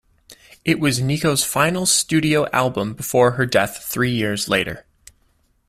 It was Nico's final studio album before her death three years later.